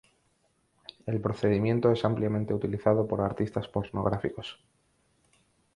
El procedimiento es ampliamente utilizado por artistas pornográficos.